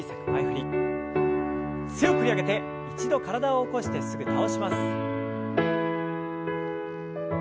強く振り上げて一度体を起こしてすぐ倒します。